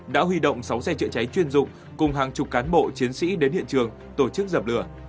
đã huy động sáu xe chữa cháy chuyên dụng cùng hàng chục cán bộ chiến sĩ đến hiện trường tổ chức dập lửa